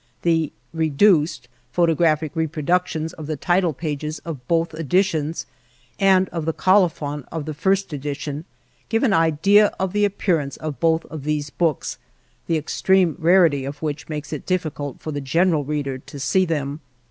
The (reduced) photographic reproductions of the title pages of both editions and of the kolophon of the first edition give an idea of the appearance of both of these books, the extreme rarity of which makes it difficult for the general reader to see them.